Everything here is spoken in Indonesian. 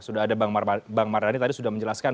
sudah ada bang mardhani tadi sudah menjelaskan